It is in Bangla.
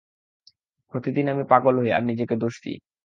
প্রতিদিন আমি পাগল হই, আর নিজেকে দোষ দিই।